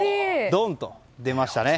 ドンと出ましたね。